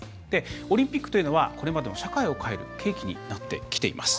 オリンピックというのはこれまでも社会を変える契機になってきています。